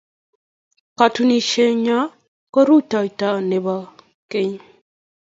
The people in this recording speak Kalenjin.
Katunisienyo ko rutoito ne bo koigeny